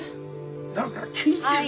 だから聞いてるんだ。